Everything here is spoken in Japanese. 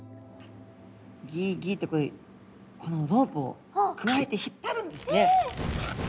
ギギってこのロープをくわえて引っ張るんですね。